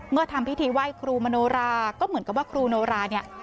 ทำพิธีไหว้ครูมโนราก็เหมือนกับว่าครูโนราเนี่ย